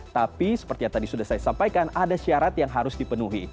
tapi seperti yang tadi sudah saya sampaikan ada syarat yang harus dipenuhi